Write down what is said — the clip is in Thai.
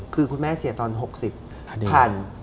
คือคุณแม่เสียตอน๖๐